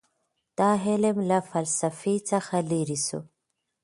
دا علم له فلسفې څخه لیرې سو.